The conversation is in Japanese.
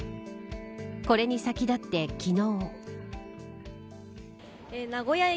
これに先立って昨日。